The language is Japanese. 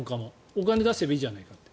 お金を出せばいいじゃないかって。